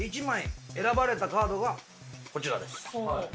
１枚選ばれたカードがこちらです。